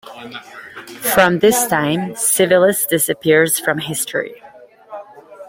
From this time, Civilis disappears from history.